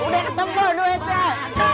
udah ketemu loh duitnya